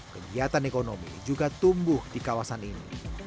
kegiatan ekonomi juga tumbuh di kawasan ini